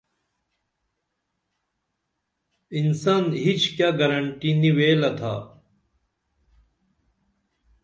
انسن ہچ کیہ گرنٹی نی ویلہ تھا